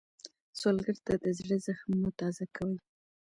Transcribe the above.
سوالګر ته د زړه زخم مه تازه کوئ